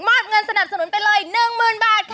เงินสนับสนุนไปเลย๑๐๐๐บาทค่ะ